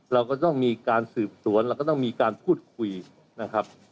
เราก็ต้องมีการสืบสวนเราก็ต้องมีการพูดคุยนะครับ